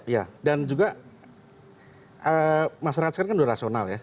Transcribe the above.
ya dan juga masyarakat sekarang kan sudah rasional ya